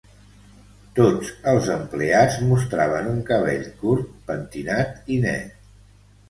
Tots els empleats mostraven un cabell curt, pentinat i net.